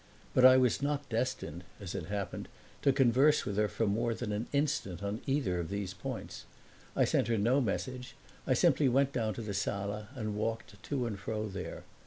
But I was not destined, as it happened, to converse with her for more than an instant on either of these points. I sent her no message; I simply went down to the sala and walked to and fro there.